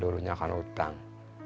durunya kan hutang